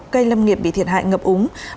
cây lâm nghiệp bị thiệt hại ngập úng